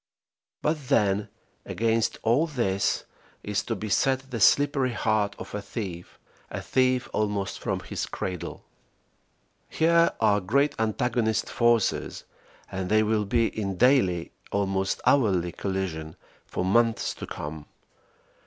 But then, against all this, is to be set the slippery heart of a thief, a thief almost from his cradle. Here are great antagonist forces and they will be in daily almost hourly collision for months to come.